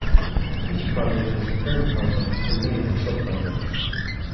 Each project has a parent project and may have sub projects.